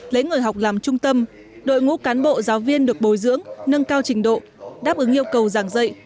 lấy người học làm trung tâm đội ngũ cán bộ giáo viên được bồi dưỡng nâng cao trình độ đáp ứng yêu cầu giảng dạy